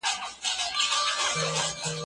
څنګه معلولین په ټولنه کي مدغم کیږي؟